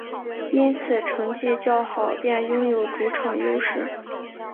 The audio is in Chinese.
因此成绩较好便拥有主场优势。